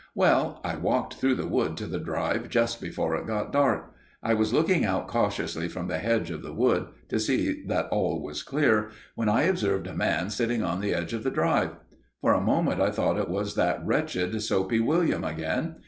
Well, I walked through the wood to the drive just before it got dark. I was looking out cautiously from the edge of the wood, to see that all was clear, when I observed a man sitting on the edge of the drive. For a moment I thought it was that wretched Soapy William again.